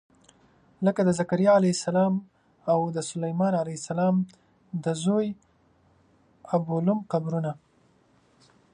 لکه د ذکریا علیه السلام او د سلیمان علیه السلام د زوی ابولوم قبرونه.